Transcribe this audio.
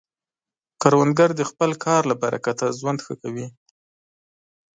کروندګر د خپل کار له برکته ژوند ښه کوي